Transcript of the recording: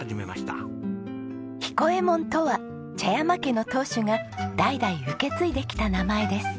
彦右衛門とは茶山家の当主が代々受け継いできた名前です。